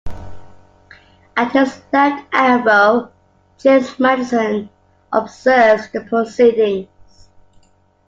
At his left elbow, James Madison observes the proceedings.